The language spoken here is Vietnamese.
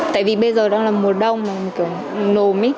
tại vì bây giờ đang là mùa đông nồm ít